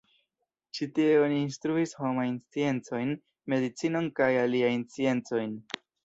Ĉi tie oni instruis homajn sciencojn, medicinon kaj aliajn sciencojn.